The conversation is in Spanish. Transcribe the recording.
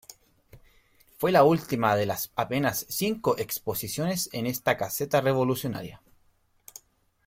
Fue la última de las apenas cinco exposiciones en esta caseta revolucionaria.